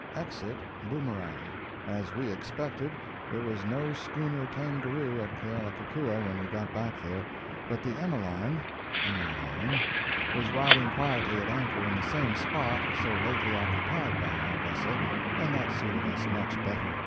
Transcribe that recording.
EXIT, BOOMERANG As we expected, there was no schooner Kangaroo at Kealakekua when we got back there, but the Emmeline [Emeline] was riding quietly at anchor in the same spot so lately occupied by our vessel, and that suited us much better.